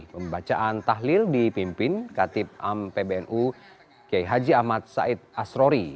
pembacaan tahlil dipimpin khatib am pbnu gaihaji ahmad said asrori